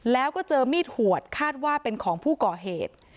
แล้วก็เจอมีดหวดคาดว่าเป็นของผู้ก่อเหตุ